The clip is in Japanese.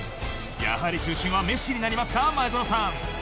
やはり中心はメッシになりますか？